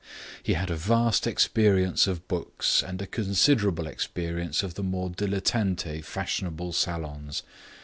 He had a vast experience of books and a considerable experience of the more dilettante fashionable salons.